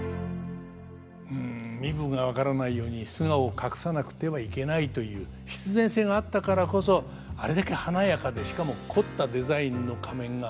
うん身分が分からないように素顔を隠さなくてはいけないという必然性があったからこそあれだけ華やかでしかも凝ったデザインの仮面が生まれてきたんでしょうね。